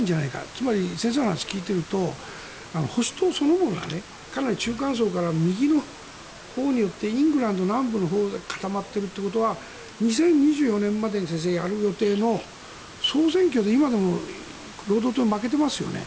つまり、先生の話を聞いていると保守党そのものがかなり中間層から右のほうに寄ってイングランド南部のほうに固まっているということは２０２４年までにやる予定の総選挙でも今でも労働党に負けていますよね。